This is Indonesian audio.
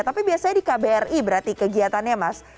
tapi biasanya di kbri berarti kegiatannya mas